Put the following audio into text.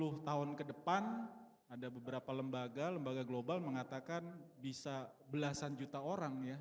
jadi ini sepuluh tahun ke depan ada beberapa lembaga lembaga global mengatakan bisa belasan juta orang ya